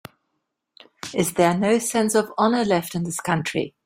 Is there no sense of honor left in this country?